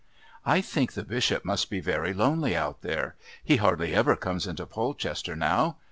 "I think the Bishop must be very lonely out there. He hardly ever comes into Polchester now.